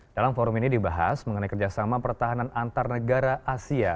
dalam forum ini dibahas mengenai kerjasama pertahanan antar negara asia